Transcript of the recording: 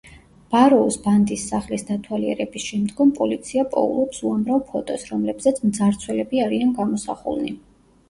ბაროუს ბანდის სახლის დათვალიერების შემდგომ პოლიცია პოულობს უამრავ ფოტოს, რომლებზეც მძარცველები არიან გამოსახულნი.